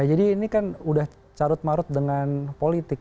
ya jadi ini kan udah carut marut dengan politik